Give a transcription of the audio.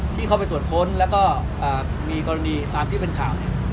ที่เขาไปตรวจค้นแล้วก็มีกรณีตามที่เป็นข่าว